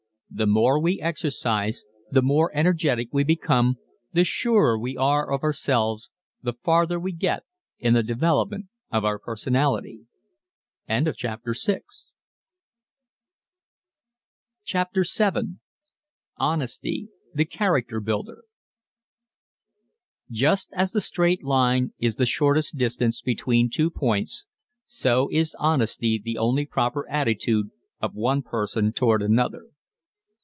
The more we exercise the more energetic we become, the surer we are of ourselves, the farther we get in the development of our personality. [Illustration: Over the Hills and Far Away Father and Son] CHAPTER VII HONESTY, THE CHARACTER BUILDER Just as the straight line is the shortest distance between two points so is honesty the only proper attitude of one person toward another.